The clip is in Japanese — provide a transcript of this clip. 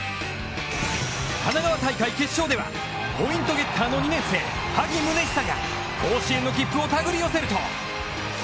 神奈川大会決勝ではポイントゲッターの２年生萩宗久が甲子園切符を手繰り寄せると！